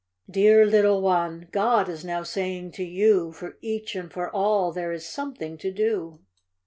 Dear little 'one! God is now saying to you, For each and for all there is something to do.